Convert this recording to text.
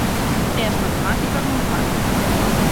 E as matemáticas non fallan.